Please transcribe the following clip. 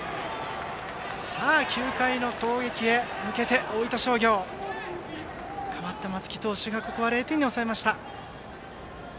さあ、９回の攻撃へ向けて大分商業、代わった松木投手がここは０点に抑えました。